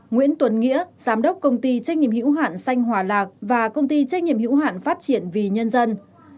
năm nguyễn tuấn nghĩa giám đốc công ty trách nhiệm hiếu hạn xanh hòa lạc và công ty trách nhiệm hiếu hạn phát triển vì nhân dân